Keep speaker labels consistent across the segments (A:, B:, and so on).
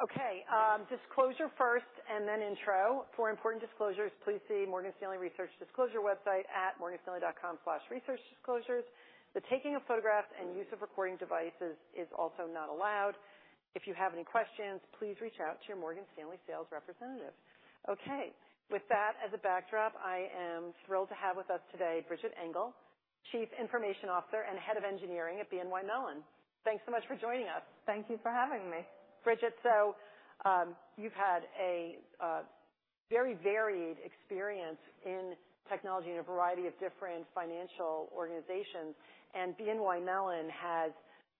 A: Okay, disclosure first and then intro. For important disclosures, please see Morgan Stanley Research Disclosure website at morganstanley.com/researchdisclosures. The taking of photographs and use of recording devices is also not allowed. If you have any questions, please reach out to your Morgan Stanley sales representative. Okay, with that as a backdrop, I am thrilled to have with us today Bridget Engle, Chief Information Officer and Head of Engineering at BNY Mellon. Thanks so much for joining us.
B: Thank you for having me.
A: Bridget, you've had a very varied experience in technology in a variety of different financial organizations, and BNY Mellon has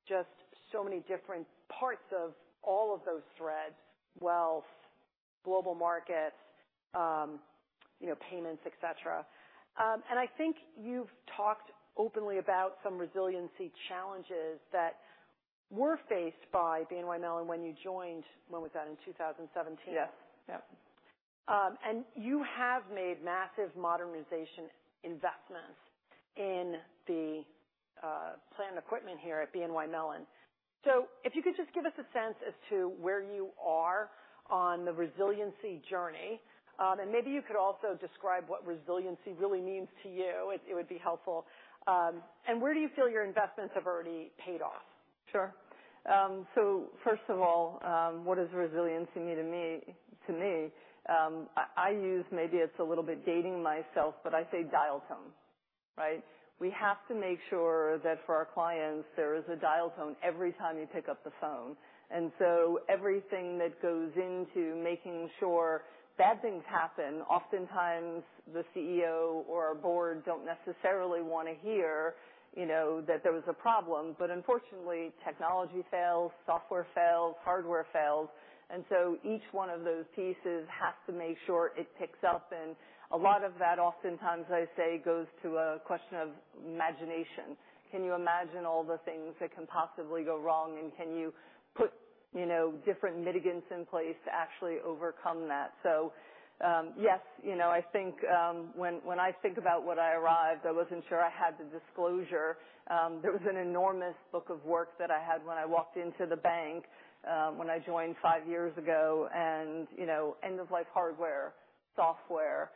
A: just so many different parts of all of those threads, wealth, global markets, you know, payments, et cetera. I think you've talked openly about some resiliency challenges that were faced by BNY Mellon when you joined. When was that? In 2017.
B: Yep, yep.
A: You have made massive modernization investments in the plant equipment here at BNY Mellon. If you could just give us a sense as to where you are on the resiliency journey, and maybe you could also describe what resiliency really means to you, it would be helpful. Where do you feel your investments have already paid off?
B: Sure. First of all, what does resiliency mean to me? I use maybe it's a little bit dating myself, but I say dial tone, right? We have to make sure that for our clients, there is a dial tone every time you pick up the phone. Everything that goes into making sure bad things happen, oftentimes the CEO or our board don't necessarily want to hear, you know, that there was a problem, but unfortunately, technology fails, software fails, hardware fails, and so each one of those pieces has to make sure it picks up. A lot of that, oftentimes, I say, goes to a question of imagination. Can you imagine all the things that can possibly go wrong, and can you put, you know, different mitigants in place to actually overcome that? Yes, you know, I think, when I think about when I arrived, I wasn't sure I had the disclosure. There was an enormous book of work that I had when I walked into the bank, when I joined five years ago, and, you know, end of life hardware, software,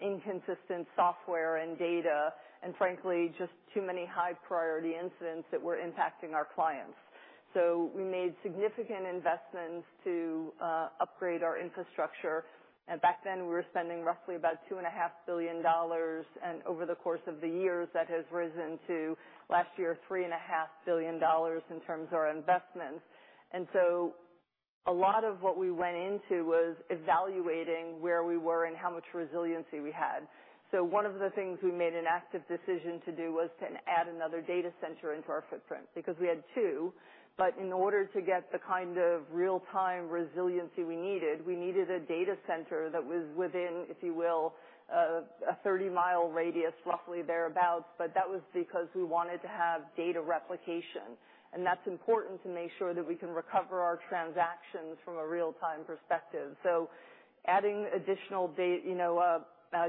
B: inconsistent software and data, and frankly, just too many high priority incidents that were impacting our clients. We made significant investments to upgrade our infrastructure, and back then, we were spending roughly about two and a half billion dollars, and over the course of the years, that has risen to, last year, three and a half billion dollars in terms of our investments. A lot of what we went into was evaluating where we were and how much resiliency we had. One of the things we made an active decision to do was to add another data center into our footprint, because we had two, but in order to get the kind of real-time resiliency we needed, we needed a data center that was within, if you will, a 30 mi radius, roughly thereabout, but that was because we wanted to have data replication. That's important to make sure that we can recover our transactions from a real-time perspective. Adding additional you know,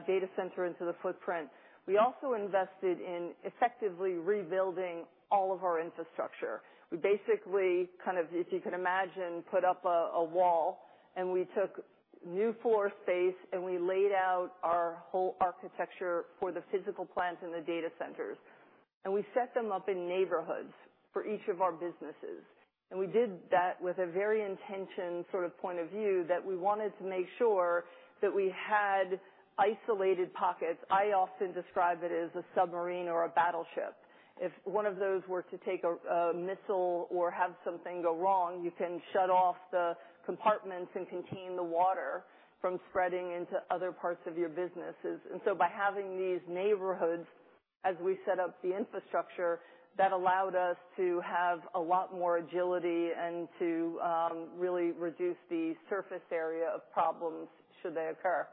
B: data center into the footprint. We also invested in effectively rebuilding all of our infrastructure. We basically kind of, if you can imagine, put up a wall, and we took new floor space, and we laid out our whole architecture for the physical plant and the data centers, and we set them up in neighborhoods for each of our businesses. We did that with a very intention sort of point of view, that we wanted to make sure that we had isolated pockets. I often describe it as a submarine or a battleship. If one of those were to take a missile or have something go wrong, you can shut off the compartments and contain the water from spreading into other parts of your businesses. By having these neighborhoods, as we set up the infrastructure, that allowed us to have a lot more agility and to really reduce the surface area of problems should they occur.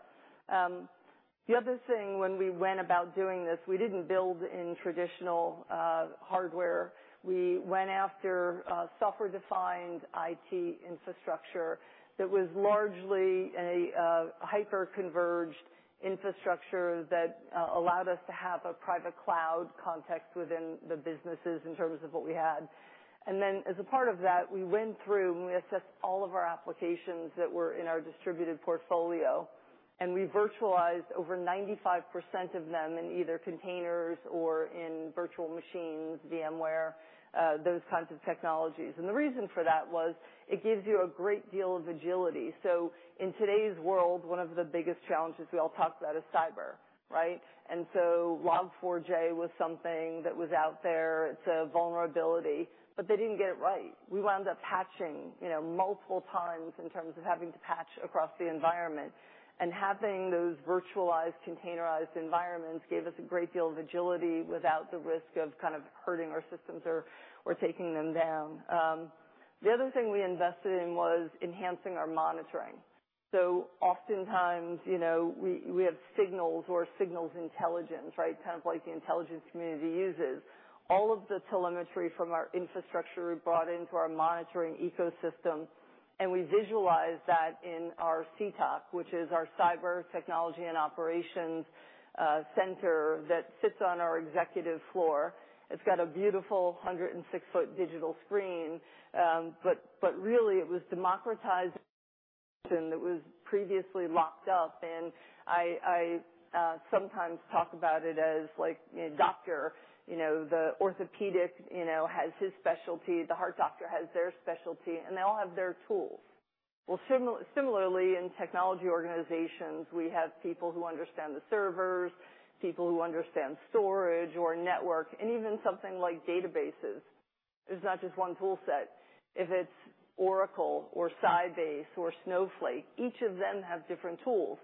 B: The other thing, when we went about doing this, we didn't build in traditional hardware. We went after software-defined IT infrastructure that was largely a hyper-converged infrastructure that allowed us to have a private cloud context within the businesses in terms of what we had. Then, as a part of that, we went through, and we assessed all of our applications that were in our distributed portfolio, and we virtualized over 95% of them in either containers or in virtual machines, VMware, those kinds of technologies. The reason for that was it gives you a great deal of agility. In today's world, one of the biggest challenges we all talk about is cyber, right? Log4j was something that was out there. It's a vulnerability, but they didn't get it right. We wound up patching, you know, multiple times in terms of having to patch across the environment, and having those virtualized, containerized environments gave us a great deal of agility without the risk of kind of hurting our systems or taking them down. The other thing we invested in was enhancing our monitoring. Oftentimes, you know, we have signals or signals intelligence, right? Kind of like the intelligence community uses. All of the telemetry from our infrastructure, we brought into our monitoring ecosystem, and we visualized that in our CTOC, which is our Cyber Technology and Operations Center, that sits on our executive floor. It's got a beautiful 106 ft digital screen. Really it was democratized. that was previously locked up, and I sometimes talk about it as like, you know, doctor, you know, the orthopedic, you know, has his specialty, the heart doctor has their specialty, and they all have their tools. Well, similarly, in technology organizations, we have people who understand the servers, people who understand storage or network, and even something like databases. There's not just one tool set. If it's Oracle or Sybase or Snowflake, each of them have different tools.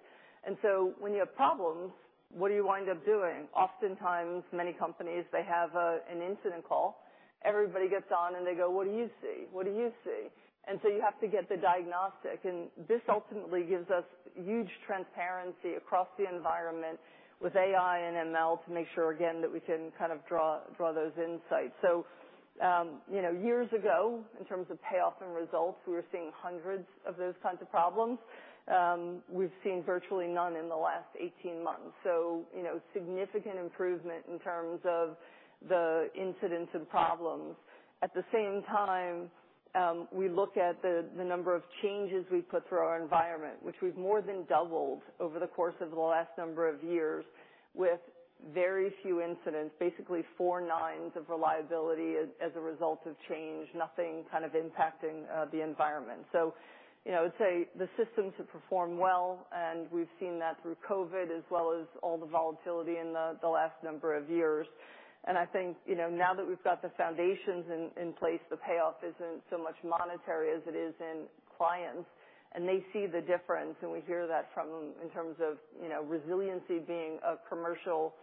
B: When you have problems, what do you wind up doing? Oftentimes, many companies, they have an incident call. Everybody gets on, and they go: "What do you see? What do you see?" You have to get the diagnostic, and this ultimately gives us huge transparency across the environment with AI and ML to make sure, again, that we can kind of draw those insights. You know, years ago, in terms of payoff and results, we were seeing hundreds of those kinds of problems. We've seen virtually none in the last 18 months, you know, significant improvement in terms of the incidents and problems. We look at the number of changes we put through our environment, which we've more than doubled over the course of the last number of years with very few incidents, basically four nines of reliability as a result of change, nothing kind of impacting the environment. You know, I would say the systems have performed well, and we've seen that through COVID, as well as all the volatility in the last number of years. I think, you know, now that we've got the foundations in place, the payoff isn't so much monetary as it is in clients, and they see the difference, and we hear that in terms of, you know, resiliency being a commercial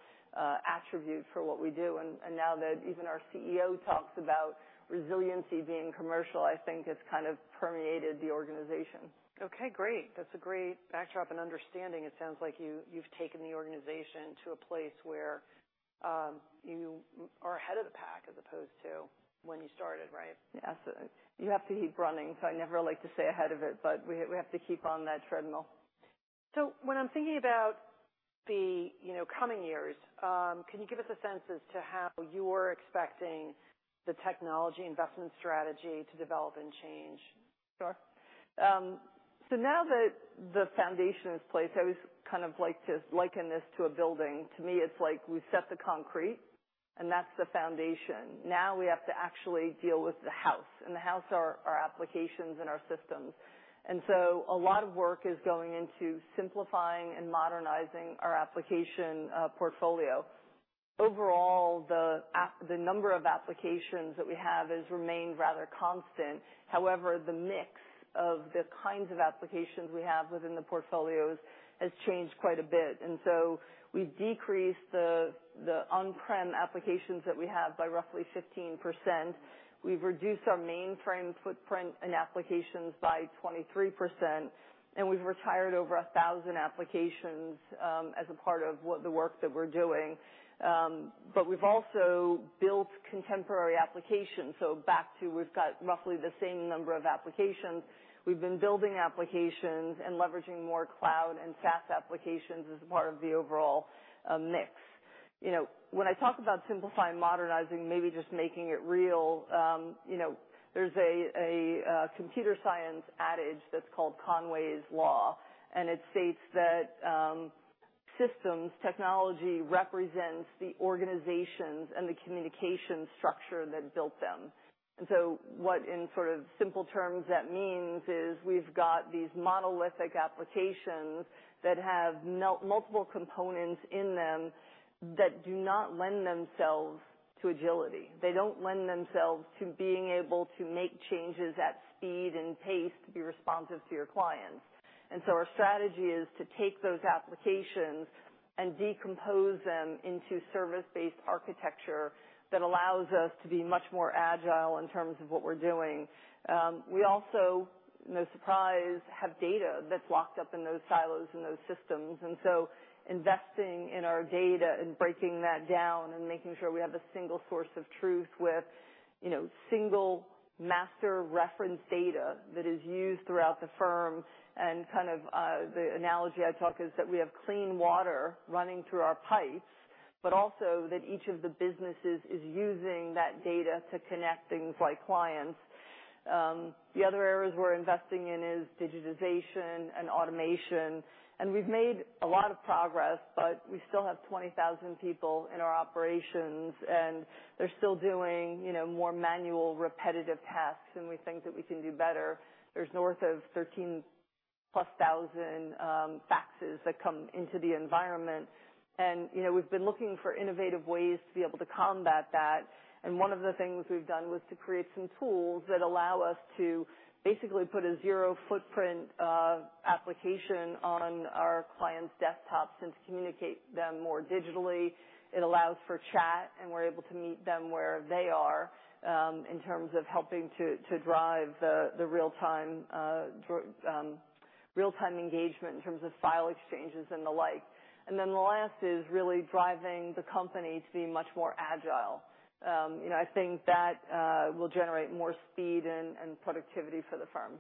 B: attribute for what we do. Now that even our CEO talks about resiliency being commercial, I think it's kind of permeated the organization.
A: Okay, great. That's a great backdrop and understanding. It sounds like you've taken the organization to a place where, you are ahead of the pack as opposed to when you started, right?
B: Yes. You have to keep running, so I never like to say ahead of it, but we have to keep on that treadmill.
A: When I'm thinking about the, you know, coming years, can you give us a sense as to how you're expecting the technology investment strategy to develop and change?
B: Sure. Now that the foundation is in place, I always kind of like to liken this to a building. To me, it's like we set the concrete, and that's the foundation. Now, we have to actually deal with the house, and the house are our applications and our systems. A lot of work is going into simplifying and modernizing our application portfolio. Overall, the number of applications that we have has remained rather constant. However, the mix of the kinds of applications we have within the portfolios has changed quite a bit. We've decreased the on-prem applications that we have by roughly 15%. We've reduced our mainframe footprint and applications by 23%, and we've retired over 1,000 applications as a part of what the work that we're doing. We've also built contemporary applications, so back to we've got roughly the same number of applications. We've been building applications and leveraging more cloud and SaaS applications as part of the overall mix. You know, when I talk about simplify and modernizing, maybe just making it real, you know, there's a computer science adage that's called Conway's Law, and it states that systems technology represents the organizations and the communication structure that built them. What, in sort of simple terms, that means is we've got these monolithic applications that have multiple components in them that do not lend themselves to agility. They don't lend themselves to being able to make changes at speed and pace to be responsive to your clients. Our strategy is to take those applications and decompose them into service-based architecture that allows us to be much more agile in terms of what we're doing. We also, no surprise, have data that's locked up in those silos and those systems, so investing in our data and breaking that down and making sure we have a single source of truth with, you know, single master reference data that is used throughout the firm. Kind of, the analogy I talk is that we have clean water running through our pipes, but also that each of the businesses is using that data to connect things like clients. The other areas we're investing in is digitization and automation, and we've made a lot of progress, but we still have 20,000 people in our operations, and they're still doing, you know, more manual, repetitive tasks, and we think that we can do better. There's north of 13,000+ faxes that come into the environment, and, you know, we've been looking for innovative ways to be able to combat that. One of the things we've done was to create some tools that allow us to basically put a zero footprint application on our clients' desktops and to communicate them more digitally. It allows for chat, and we're able to meet them where they are, in terms of helping to drive the real time real-time engagement in terms of file exchanges and the like. The last is really driving the company to be much more agile. you know, I think that, will generate more speed and productivity for the firm.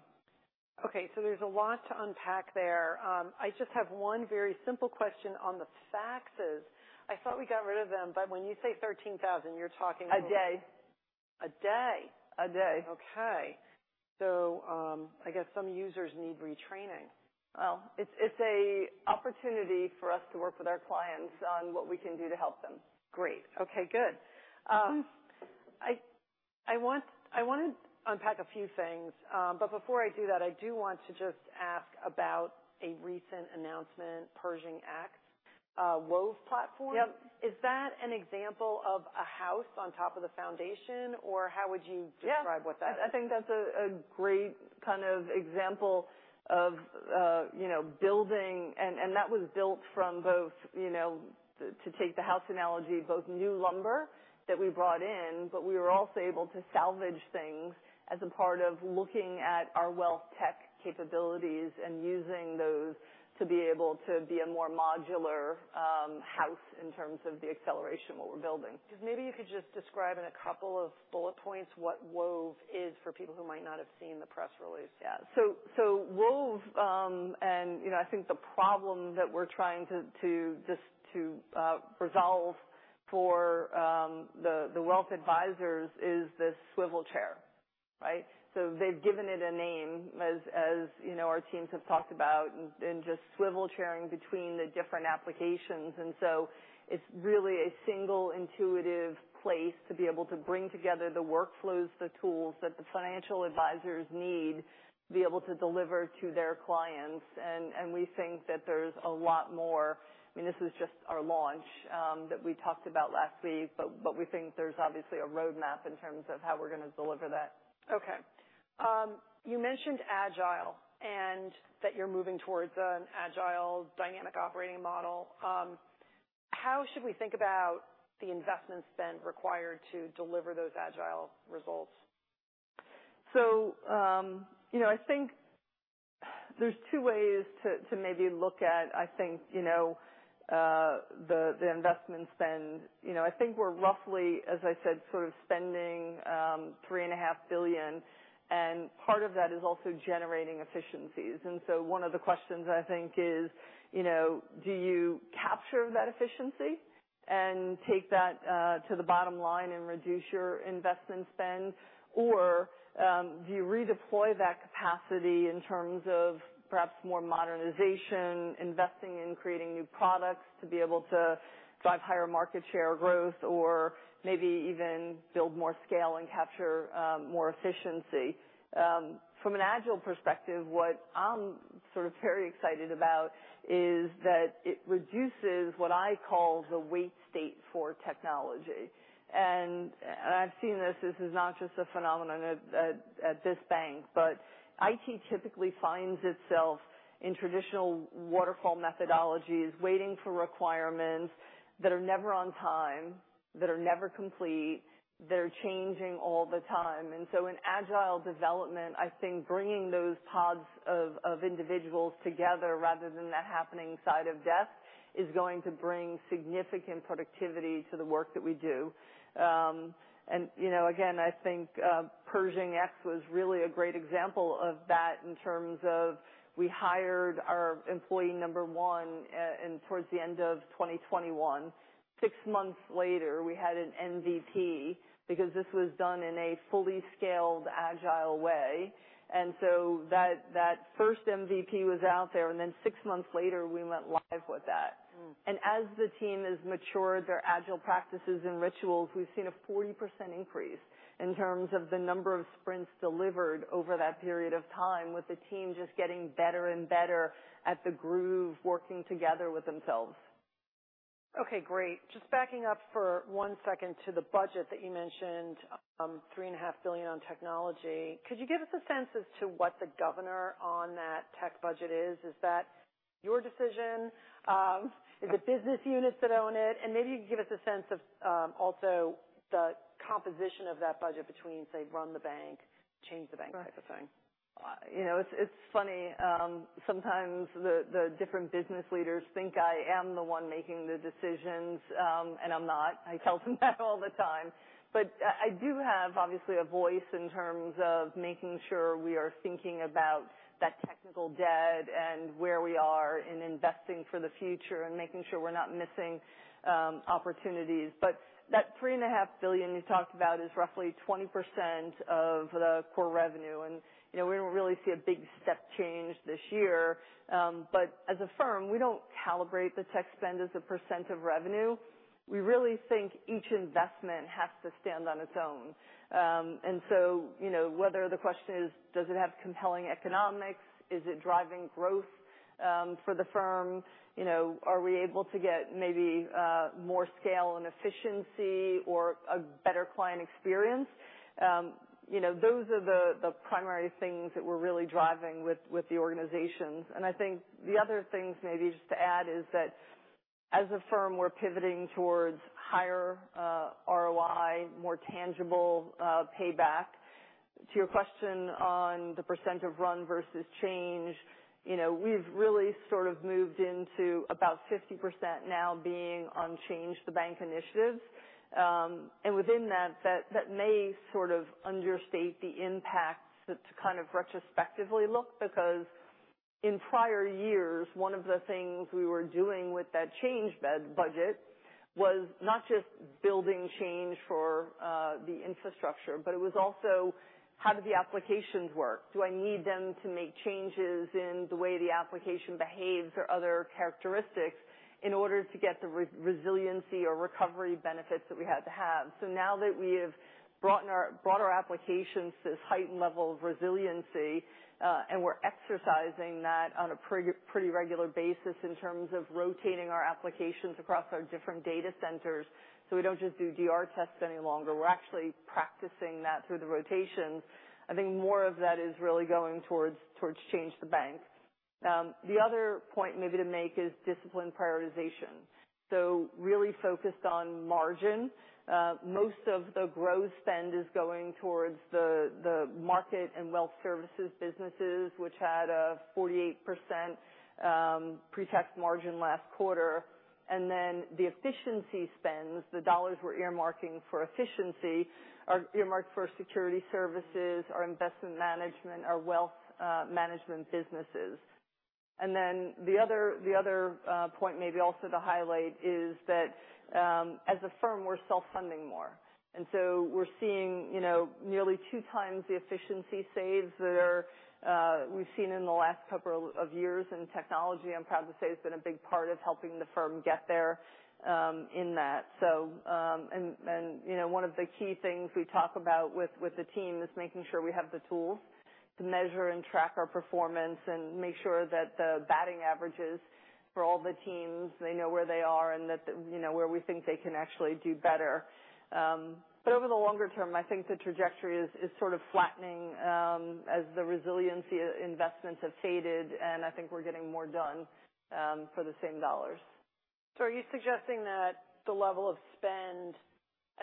A: There's a lot to unpack there. I just have one very simple question on the faxes. I thought we got rid of them, when you say 13,000, you're talking about?
B: A day.
A: A day?
B: A day.
A: Okay. I guess some users need retraining.
B: Well, it's a opportunity for us to work with our clients on what we can do to help them.
A: Great. Okay, good. I want to unpack a few things, but before I do that, I do want to just ask about a recent announcement, Pershing X, Wove platform.
B: Yep.
A: Is that an example of a house on top of the foundation, or how would you-
B: Yeah
A: describe what that is?
B: I think that's a great kind of example of, you know, building. That was built from both, you know, to take the house analogy, both new lumber that we brought in, but we were also able to salvage things as a part of looking at our wealth tech capabilities and using those to be able to be a more modular house in terms of the acceleration, what we're building.
A: Maybe you could just describe in a couple of bullet points what Wove is, for people who might not have seen the press release yet.
B: Wove, you know, I think the problem that we're trying to resolve for the wealth advisors is this swivel chair, right? They've given it a name, you know, our teams have talked about, in just swivel chairing between the different applications. It's really a single, intuitive place to be able to bring together the workflows, the tools that the financial advisors need to be able to deliver to their clients. We think that there's a lot more. I mean, this is just our launch that we talked about last week, we think there's obviously a road map in terms of how we're going to deliver that.
A: Okay. You mentioned agile, and that you're moving towards an agile, dynamic operating model. How should we think about the investment spend required to deliver those agile results?
B: You know, I think there's two ways to maybe look at, I think, you know, the investment spend. You know, I think we're roughly, as I said, sort of spending, three and a half billion, and part of that is also generating efficiencies. One of the questions, I think, is, you know, do you capture that efficiency and take that to the bottom line and reduce your investment spend? Do you redeploy that capacity in terms of perhaps more modernization, investing in creating new products to be able to drive higher market share growth or maybe even build more scale and capture, more efficiency? From an agile perspective, what I'm sort of very excited about is that it reduces what I call the wait state for technology. I've seen this is not just a phenomenon at this bank, but IT typically finds itself in traditional waterfall methodologies, waiting for requirements that are never on time, that are never complete, that are changing all the time. So in agile development, I think bringing those pods of individuals together rather than that happening side of desk, is going to bring significant productivity to the work that we do. You know, again, I think Pershing X was really a great example of that in terms of we hired our employee number one in towards the end of 2021. Six months later, we had an MVP because this was done in a fully scaled, agile way. So that first MVP was out there, and then six months later, we went live with that.
A: Mm.
B: As the team has matured their agile practices and rituals, we've seen a 40% increase in terms of the number of sprints delivered over that period of time, with the team just getting better and better at the groove, working together with themselves.
A: Okay, great. Just backing up for one second to the budget that you mentioned, three and a half billion on technology. Could you give us a sense as to what the governor on that tech budget is? Is that your decision? Is it business units that own it? Maybe you can give us a sense of also the composition of that budget between, say, run the bank, change the bank type of thing.
B: Right. You know, it's funny, sometimes the different business leaders think I am the one making the decisions, and I'm not. I tell them that all the time. I do have, obviously, a voice in terms of making sure we are thinking about that technical debt and where we are in investing for the future and making sure we're not missing opportunities. That three and a half billion dollars you talked about is roughly 20% of the core revenue, and, you know, we don't really see a big step change this year. As a firm, we don't calibrate the tech spend as a percent of revenue. We really think each investment has to stand on its own. You know, whether the question is, does it have compelling economics? Is it driving growth for the firm? You know, are we able to get maybe more scale and efficiency or a better client experience? You know, those are the primary things that we're really driving with the organizations. I think the other things maybe just to add is that as a firm, we're pivoting towards higher ROI, more tangible payback. To your question on the percent of run versus change, you know, we've really sort of moved into about 50% now being on change the bank initiatives. Within that may sort of understate the impact to kind of retrospectively look because in prior years, one of the things we were doing with that change budget was not just building change for the infrastructure, but it was also, how do the applications work? Do I need them to make changes in the way the application behaves or other characteristics in order to get the resiliency or recovery benefits that we had to have? Now that we have brought our applications to this heightened level of resiliency, and we're exercising that on a pretty regular basis in terms of rotating our applications across our different data centers, so we don't just do DR tests any longer. We're actually practicing that through the rotations. I think more of that is really going towards change the bank. The other point maybe to make is disciplined prioritization. Really focused on margin. Most of the growth spend is going towards the Market and Wealth Services businesses, which had a 48% pre-tax margin last quarter. The efficiency spends, the dollars we're earmarking for efficiency, are earmarked for Securities Services, our Investment Management, our Wealth Management businesses. The other point maybe also to highlight is that, as a firm, we're self-funding more, we're seeing, you know, nearly two times the efficiency saves that are we've seen in the last couple of years in technology. I'm proud to say it's been a big part of helping the firm get there in that. One of the key things we talk about with the team is making sure we have the tools to measure and track our performance and make sure that the batting averages for all the teams, they know where they are and that the, you know, where we think they can actually do better. Over the longer term, I think the trajectory is sort of flattening, as the resiliency investments have faded, and I think we're getting more done, for the same dollars.
A: Are you suggesting that the level of spend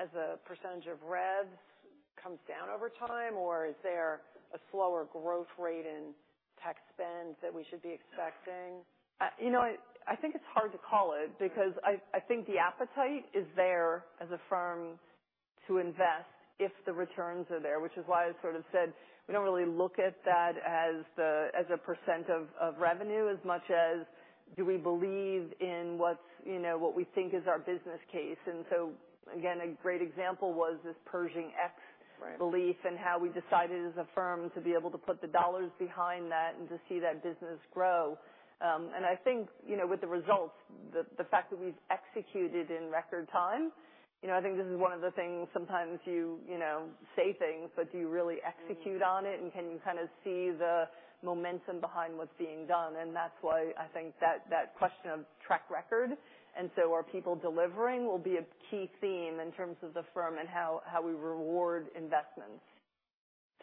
A: as a % of revs comes down over time, or is there a slower growth rate in tech spend that we should be expecting?
B: You know, I think it's hard to call it because I think the appetite is there as a firm to invest if the returns are there, which is why I sort of said we don't really look at that as a percent of revenue, as much as do we believe in what's, you know, what we think is our business case. Again, a great example was this Pershing X...
A: Right.
B: belief, how we decided as a firm to be able to put the dollars behind that and to see that business grow. I think, you know, with the results, the fact that we've executed in record time, you know, I think this is one of the things sometimes you know, say things, but do you really execute on it? Can you kind of see the momentum behind what's being done? That's why I think that question of track record, so are people delivering, will be a key theme in terms of the firm and how we reward investments.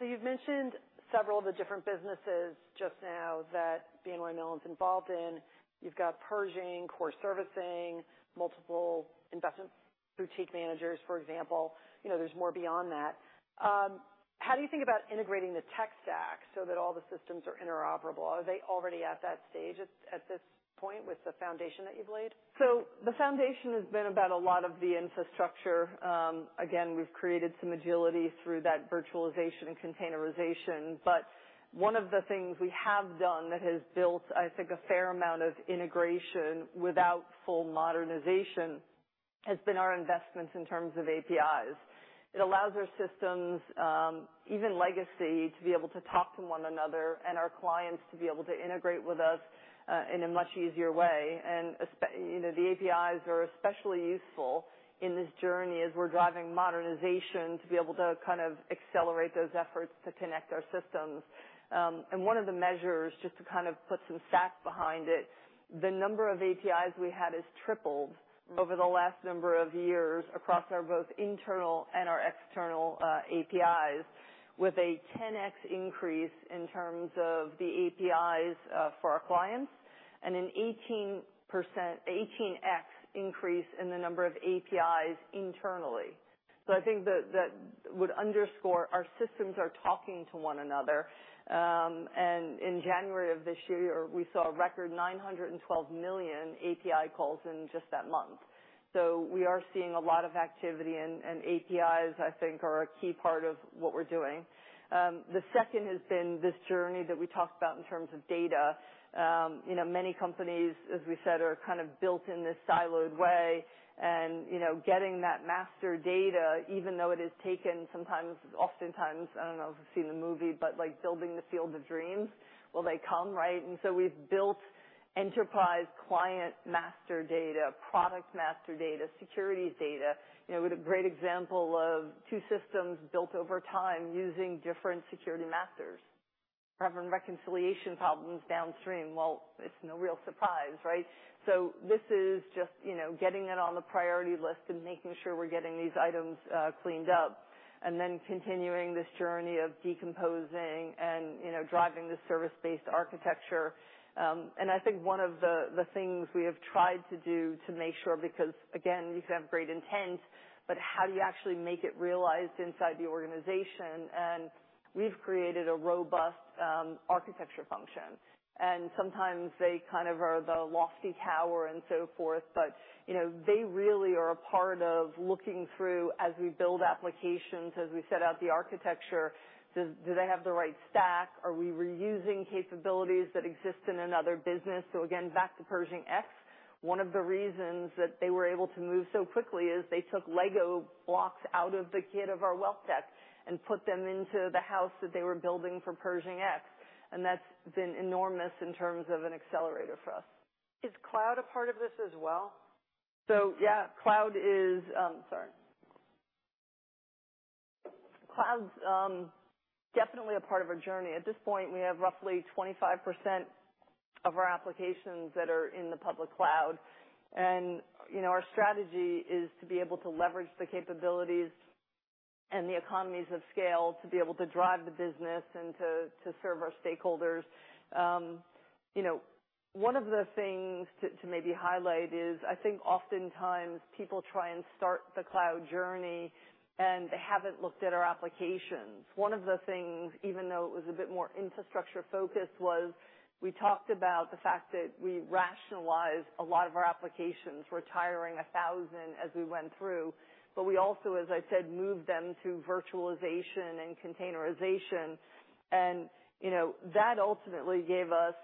A: You've mentioned several of the different businesses just now that BNY Mellon's involved in. You've got Pershing, core servicing, multiple investment boutique managers, for example. You know, there's more beyond that. How do you think about integrating the tech stack so that all the systems are interoperable? Are they already at that stage at this point with the foundation that you've laid?
B: The foundation has been about a lot of the infrastructure. Again, we've created some agility through that virtualization and containerization, one of the things we have done that has built, I think, a fair amount of integration without full modernization, has been our investments in terms of APIs. It allows our systems, even legacy, to be able to talk to one another and our clients to be able to integrate with us in a much easier way. You know, the APIs are especially useful in this journey as we're driving modernization to be able to kind of accelerate those efforts to connect our systems. One of the measures, just to kind of put some stats behind it, the number of APIs we had has tripled over the last number of years across our both internal and our external APIs, with a 10x increase in terms of the APIs for our clients, and an 18x increase in the number of APIs internally. I think that would underscore our systems are talking to one another. In January of this year, we saw a record 912 million API calls in just that month. We are seeing a lot of activity, and APIs, I think, are a key part of what we're doing. The second has been this journey that we talked about in terms of data. You know, many companies, as we said, are kind of built in this siloed way, and, you know, getting that master data, even though it is taken sometimes, oftentimes, I don't know if you've seen the movie, but like building the Field of Dreams, will they come, right? And so we've built enterprise client master data, product master data, securities data. You know, we had a great example of two systems built over time using different security masters. Having reconciliation problems downstream, well, it's no real surprise, right? This is just, you know, getting it on the priority list and making sure we're getting these items cleaned up, and then continuing this journey of decomposing and, you know, driving the service-based architecture. I think one of the things we have tried to do to make sure, because, again, you can have great intent, but how do you actually make it realized inside the organization? We've created a robust architecture function, and sometimes they kind of are the lofty tower and so forth, but, you know, they really are a part of looking through as we build applications, as we set out the architecture, do they have the right stack? Are we reusing capabilities that exist in another business? Again, back to Pershing X. One of the reasons that they were able to move so quickly is they took LEGO blocks out of the kit of our wealth tech and put them into the house that they were building for Pershing X, and that's been enormous in terms of an accelerator for us.
A: Is cloud a part of this as well?
B: Yeah, cloud is, sorry. Cloud's definitely a part of our journey. At this point, we have roughly 25% of our applications that are in the public cloud. You know, our strategy is to be able to leverage the capabilities and the economies of scale to be able to drive the business and to serve our stakeholders. You know, one of the things to maybe highlight is I think oftentimes people try and start the cloud journey, and they haven't looked at our applications. One of the things, even though it was a bit more infrastructure-focused, was we talked about the fact that we rationalized a lot of our applications, retiring 1,000 as we went through. We also, as I said, moved them to virtualization and containerization, you know, that ultimately gave us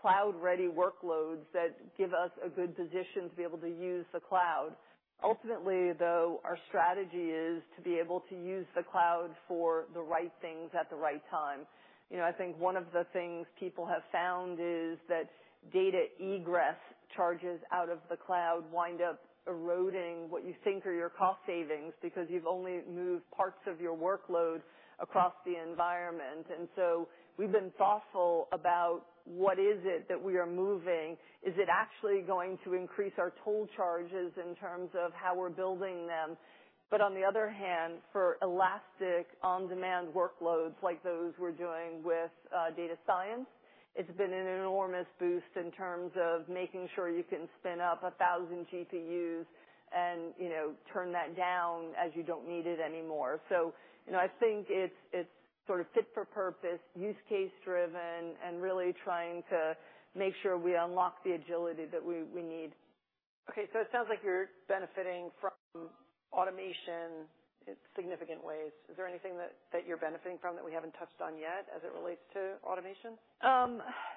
B: cloud-ready workloads that give us a good position to be able to use the cloud. Ultimately, though, our strategy is to be able to use the cloud for the right things at the right time. You know, I think one of the things people have found is that data egress charges out of the cloud wind up eroding what you think are your cost savings because you've only moved parts of your workload across the environment. We've been thoughtful about what is it that we are moving. Is it actually going to increase our toll charges in terms of how we're building them? On the other hand, for elastic, on-demand workloads, like those we're doing with data science, it's been an enormous boost in terms of making sure you can spin up 1,000 GPUs and, you know, turn that down as you don't need it anymore. You know, I think it's sort of fit for purpose, use case driven, and really trying to make sure we unlock the agility that we need.
A: Okay, it sounds like you're benefiting from automation in significant ways. Is there anything that you're benefiting from that we haven't touched on yet as it relates to automation?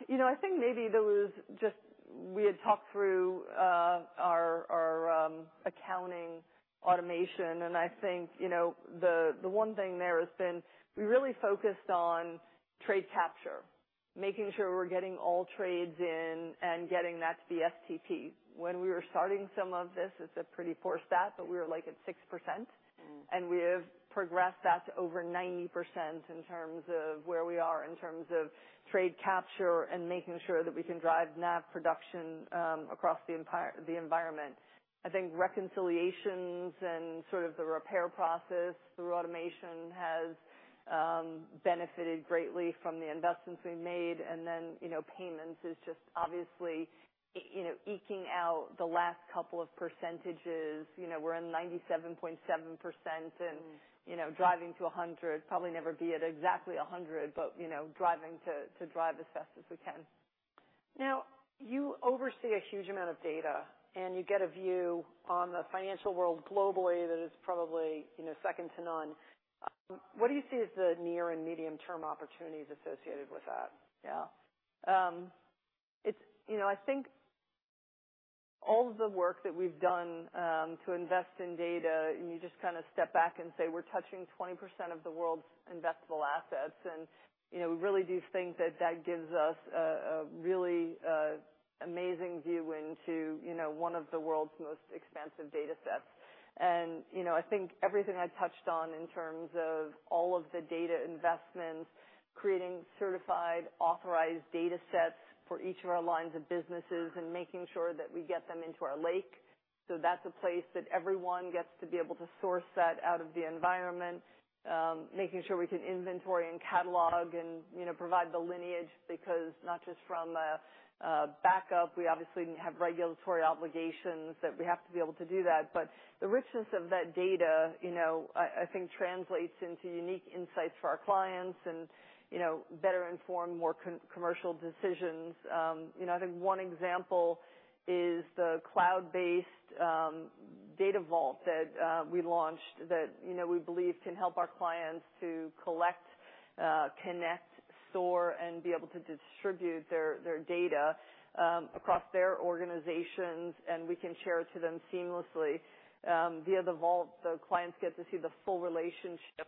B: You know, I think we had talked through our accounting automation, and I think, you know, the one thing there has been, we really focused on trade capture, making sure we're getting all trades in and getting that to the STP. When we were starting some of this, it's a pretty poor stat, but we were, like, at 6%.
A: Mm.
B: We have progressed that to over 90% in terms of where we are in terms of trade capture and making sure that we can drive NAV production across the environment. I think reconciliations and sort of the repair process through automation has benefited greatly from the investments we've made. Then, you know, payments is just obviously you know, eking out the last couple of percentages. You know, we're in 97.7%.
A: Mm.
B: you know, driving to 100. Probably never be at exactly 100, but, you know, driving to drive as fast as we can.
A: You oversee a huge amount of data, you get a view on the financial world globally that is probably, you know, second to none. What do you see as the near and medium-term opportunities associated with that?
B: Yeah. You know, I think all of the work that we've done to invest in data, you just kind of step back and say, "We're touching 20% of the world's investable assets." You know, we really do think that that gives us a really amazing view into, you know, one of the world's most expansive data sets. You know, I think everything I touched on in terms of all of the data investments, creating certified, authorized data sets for each of our lines of businesses and making sure that we get them into our lake, so that's a place that everyone gets to be able to source that out of the environment. Making sure we can inventory and catalog and, you know, provide the lineage because not just from a backup, we obviously have regulatory obligations that we have to be able to do that. The richness of that data, you know, I think translates into unique insights for our clients and, you know, better inform more commercial decisions. You know, I think one example is the cloud-based Data Vault that we launched that, you know, we believe can help our clients to collect, connect, store, and be able to distribute their data across their organizations, we can share it to them seamlessly. Via the vault, the clients get to see the full relationship,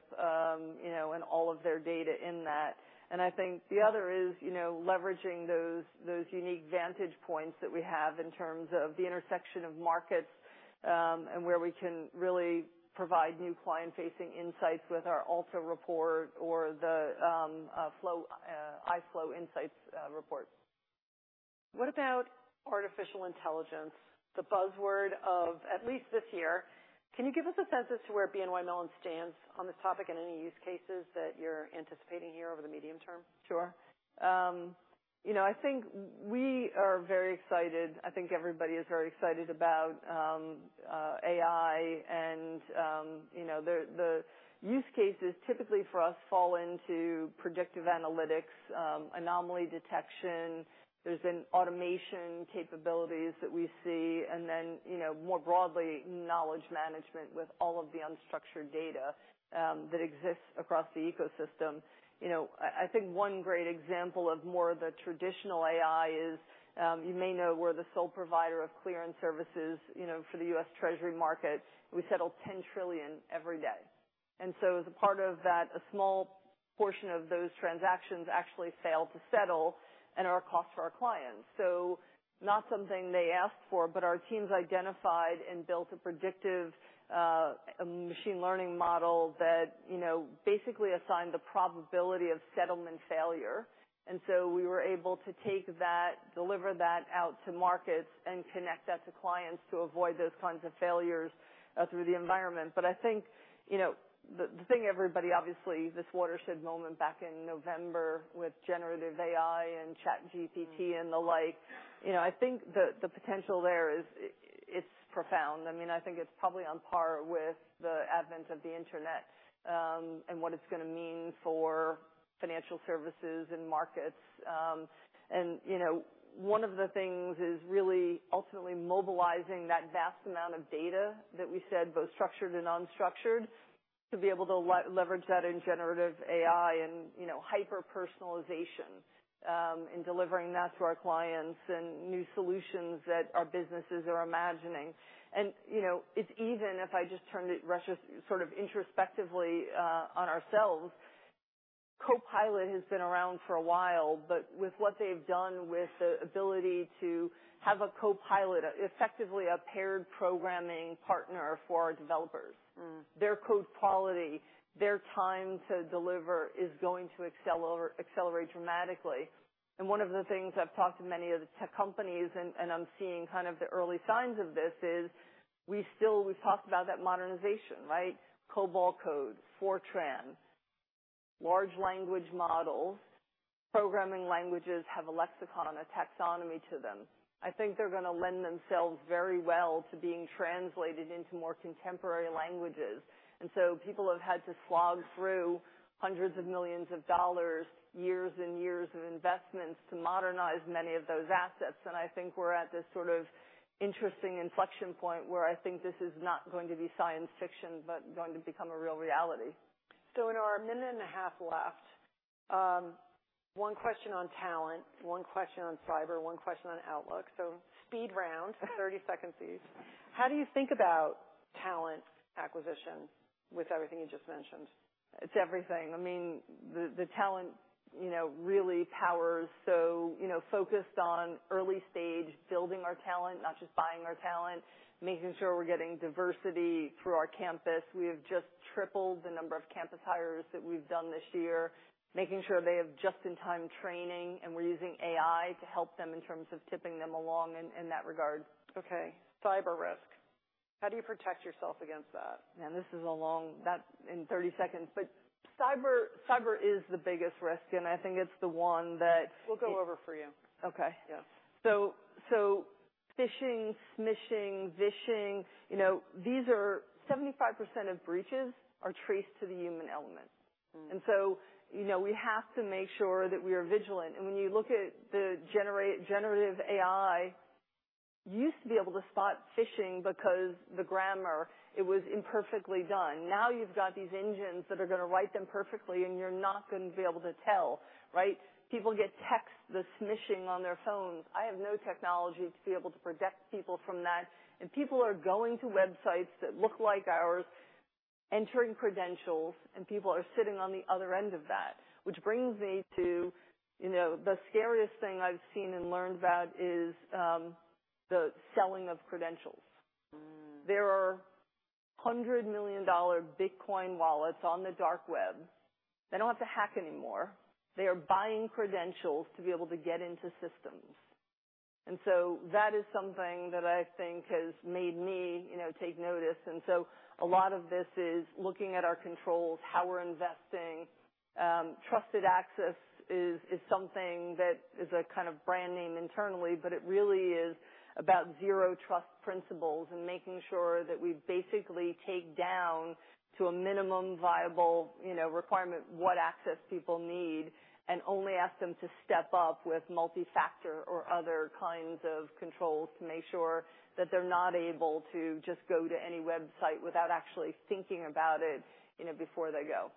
B: you know, and all of their data in that. I think the other is, you know, leveraging those unique vantage points that we have in terms of the intersection of markets, and where we can really provide new client-facing insights with our Ultra report or the iFlow Insights report.
A: What about artificial intelligence, the buzzword of at least this year? Can you give us a sense as to where BNY Mellon stands on this topic and any use cases that you're anticipating here over the medium term?
B: Sure. You know, I think we are very excited. I think everybody is very excited about AI and, you know, the use cases typically for us fall into predictive analytics, anomaly detection. There's an automation capabilities that we see, and then, you know, more broadly, knowledge management with all of the unstructured data that exists across the ecosystem. You know, I think one great example of more of the traditional AI is, you may know we're the sole provider of clearance services, you know, for the U.S. Treasury market. We settle $10 trillion every day. As a part of that, a small portion of those transactions actually fail to settle and are a cost to our clients. Not something they asked for, but our teams identified and built a predictive machine learning model that, you know, basically assigned the probability of settlement failure. We were able to take that, deliver that out to markets, and connect that to clients to avoid those kinds of failures through the environment. I think, you know, the thing everybody, obviously, this watershed moment back in November with generative AI and ChatGPT and the like, you know, I think the potential there is, it's profound. I mean, I think it's probably on par with the advent of the internet and what it's going to mean for financial services and markets. You know, one of the things is really ultimately mobilizing that vast amount of data that we said, both structured and unstructured, to be able to leverage that in generative AI and, you know, hyper-personalization, in delivering that to our clients and new solutions that our businesses are imagining. You know, it's even if I just turned it sort of introspectively on ourselves, Copilot has been around for a while, but with what they've done with the ability to have a copilot, effectively a paired programming partner for our developers.
A: Mm.
B: their code quality, their time to deliver is going to accelerate dramatically. One of the things I've talked to many of the tech companies, and I'm seeing kind of the early signs of this, is we still, we've talked about that modernization, right? COBOL code, Fortran, large language models. Programming languages have a lexicon, a taxonomy to them. I think they're going to lend themselves very well to being translated into more contemporary languages. People have had to slog through hundreds of millions of dollars, years and years of investments, to modernize many of those assets. I think we're at this sort of interesting inflection point where I think this is not going to be science fiction, but going to become a real reality.
A: In our minute and a half left, one question on talent, one question on cyber, one question on outlook. Speed round, 30 seconds each. How do you think about talent acquisition with everything you just mentioned?
B: It's everything. I mean, the talent, you know, really powers. You know, focused on early stage, building our talent, not just buying our talent, making sure we're getting diversity through our campus. We have just tripled the number of campus hires that we've done this year, making sure they have just-in-time training, and we're using AI to help them in terms of tipping them along in that regard.
A: Cyber risk, how do you protect yourself against that?
B: Man, this is a long... That's in 30 seconds, but cyber is the biggest risk, and I think it's the one that-
A: We'll go over for you.
B: Okay.
A: Yeah.
B: Phishing, smishing, vishing, you know, 75% of breaches are traced to the human element.
A: Mm.
B: You know, we have to make sure that we are vigilant. When you look at the generative AI, you used to be able to spot phishing because the grammar, it was imperfectly done. Now, you've got these engines that are going to write them perfectly, and you're not going to be able to tell, right? People get texts, the smishing on their phones. I have no technology to be able to protect people from that, and people are going to websites that look like ours, entering credentials, and people are sitting on the other end of that. Which brings me to, you know, the scariest thing I've seen and learned about is the selling of credentials.
A: Mm.
B: There are $100 million Bitcoin wallets on the dark web. They don't have to hack anymore. They are buying credentials to be able to get into systems. That is something that I think has made me, you know, take notice. A lot of this is looking at our controls, how we're investing. Trusted access is something that is a kind of brand name internally, but it really is about zero-trust principles and making sure that we basically take down to a minimum viable, you know, requirement, what access people need, and only ask them to step up with multifactor or other kinds of controls to make sure that they're not able to just go to any website without actually thinking about it, you know, before they go.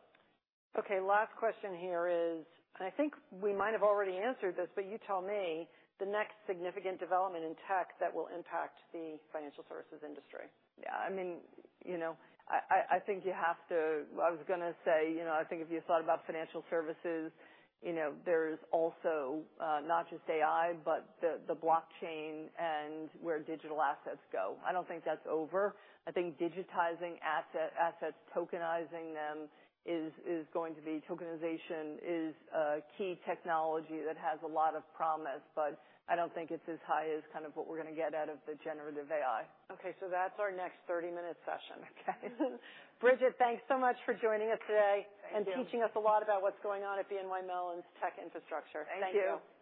A: Last question here is, I think we might have already answered this, you tell me, the next significant development in tech that will impact the financial services industry?
B: Yeah, I mean, you know, I was going to say, you know, I think if you thought about financial services, you know, there's also not just AI, but the blockchain and where digital assets go. I don't think that's over. I think digitizing assets, tokenizing them, is going to be. Tokenization is a key technology that has a lot of promise, but I don't think it's as high as kind of what we're going to get out of the generative AI.
A: Okay, that's our next 30-minute session.
B: Okay.
A: Bridget, thanks so much for joining us today.
B: Thank you.
A: Teaching us a lot about what's going on at BNY Mellon's tech infrastructure.
B: Thank you.
A: Thank you.